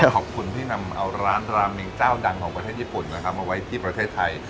ขอบคุณที่นำเอาร้านราเมงเจ้าดังของประเทศญี่ปุ่นนะครับมาไว้ที่ประเทศไทย